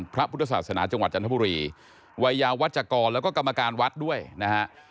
พระพุทธศาสนาจังหวัดจันทบุรีวัยยาวัชกรแล้วก็กรรมการวัดด้วยนะฮะ